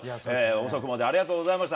遅くまでありがとうございました。